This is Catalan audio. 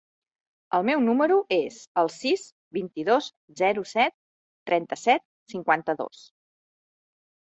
El meu número es el sis, vint-i-dos, zero, set, trenta-set, cinquanta-dos.